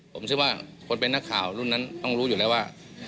ผมเชื่อว่าคนเป็นนักข่าวรุ่นนั้นต้องรู้อยู่แล้วว่า